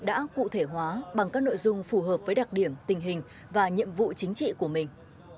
đã cụ thể hóa bằng các nội dung phù hợp với đặc điểm tình hình và nhiệm vụ chính trị của mình